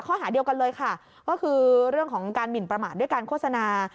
ข้อหาเดียวกันเลยค่ะก็คือเรื่องของการหมินประมาทด้วยการโฆษณา